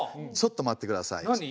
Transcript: ちょっと待って下さい。